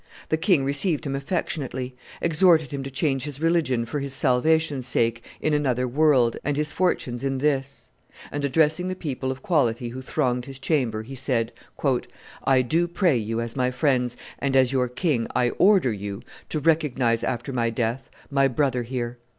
The king received him affectionately, exhorted him to change his religion for his salvation's sake in another world and his fortunes in this; and, addressing the people of quality who thronged his chamber, he said, "I do pray you as my friends, and as your king I order you, to recognize after my death my brother here.